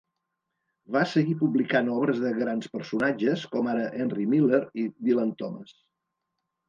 Va seguir publicant obres de grans personatges, com ara Henry Miller i Dylan Thomas.